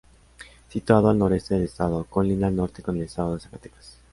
Situado al noreste del estado, colinda al norte con el Estado de Zacatecas.